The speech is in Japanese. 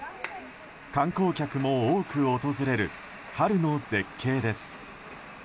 観光客も多く訪れる春の絶景です。